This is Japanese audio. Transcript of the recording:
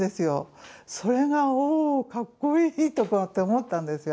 それがおおかっこいいとかって思ったんですよ